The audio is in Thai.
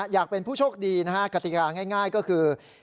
อยากเป็นผู้โชคดีคติภาพง่ายก็คือ